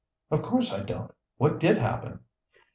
"Of course I don't. What did happen?"